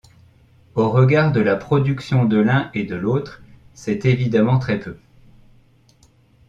Au regard de la production de l'un et de l'autre c'est évidemment très peu.